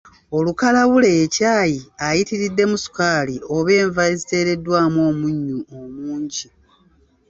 Olukalabule ye caayi ayitiriddemu sukaali oba enva eziteereddwamu omunnyu omungi.